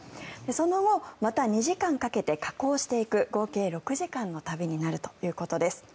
その後、また２時間かけて下降していく合計６時間の旅になるということです。